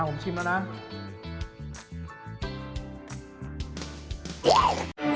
อ่ะก็ชิมแล้วนะ